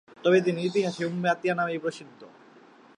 তবে তিনি ইতিহাসে উম্মে আতিয়া নামেই প্রসিদ্ধ।